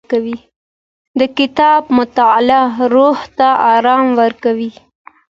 د کتاب مطالعه روح ته ارام ورکوي.